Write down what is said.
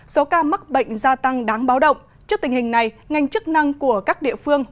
số ca mắc bệnh gia tăng đáng báo động trước tình hình này ngành chức năng của các địa phương